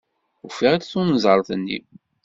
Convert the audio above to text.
Ufiɣ-d tunẓart-nni.